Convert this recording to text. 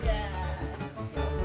itu teh mas